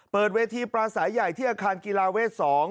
เปิดเวทีปลาสายใหญ่ที่อาคารกีฬาเวท๒